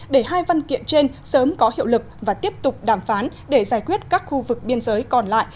để hai văn kiện trên sớm có hiệu lực và tiếp tục đàm phán để giải quyết các khu vực biên giới còn lại